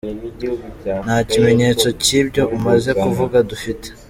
Nta kimenyetso cy’ibyo umaze kuvuga dufite.